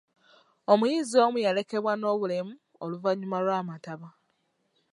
Omuyizi omu yalekebwa n'obulemu oluvannyuma lw'amataba.